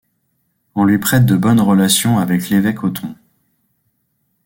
On lui prête de bonnes relations avec l'évêque Othon.